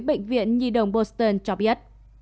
bệnh viện nhi đồng boston cho biết